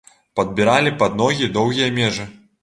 Падбіралі пад ногі доўгія межы.